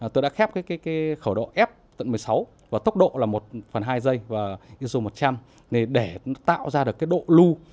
tôi đã khép khẩu độ f tận một mươi sáu và tốc độ là một phần hai giây và iso một trăm linh để tạo ra độ lưu